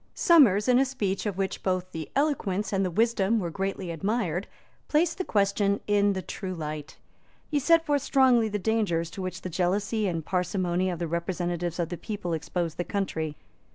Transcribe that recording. Somers, in a speech of which both the eloquence and the wisdom were greatly admired, placed the question in the true light. He set forth strongly the dangers to which the jealousy and parsimony of the representatives of the people exposed the country.